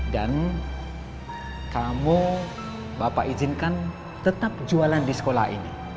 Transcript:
dan kamu bapak izinkan tetap jualan di sekolah ini